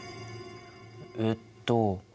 えっと。